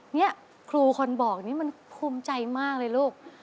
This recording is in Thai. นี่ครูคนบอกนี่มันภูมิใจมากเลยลูก